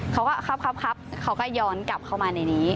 เขาก็ครับเขาก็ย้อนกลับเข้ามาในนี้